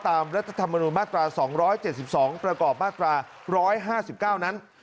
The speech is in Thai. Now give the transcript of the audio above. รัฐธรรมนุนมาตรา๒๗๒ประกอบมาตรา๑๕๙นั้น